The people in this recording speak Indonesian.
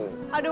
aduh udah deh